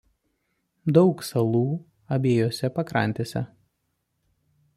Daug salų abiejose pakrantėse.